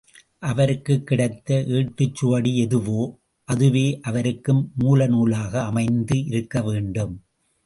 அவருக்குக் கிடைத்த ஏட்டுச் சுவடி எதுவோ அதுவே அவருக்கும் மூலநூலாக அமைந்து இருக்க வேண்டும்.